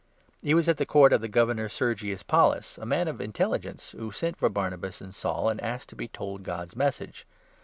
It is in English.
He was at 7 the court of the Governor, Sergius Paulus, a man of intelli gence, who sent for Barnabas and Saul and asked to be told God's Message.